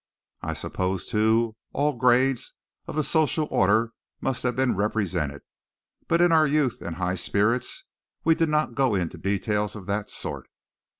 I suppose, too, all grades of the social order must have been represented; but in our youth and high spirits we did not go into details of that sort.